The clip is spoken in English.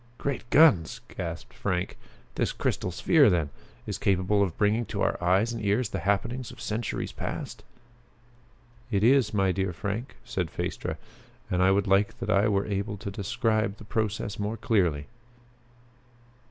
"Great guns!" gasped Frank. "This crystal sphere then, is capable of bringing to our eyes and ears the happenings of centuries past?" "It is, my dear Frank," said Phaestra, "and I would that I were able to describe the process more clearly."